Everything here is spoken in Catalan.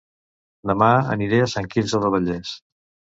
Dema aniré a Sant Quirze del Vallès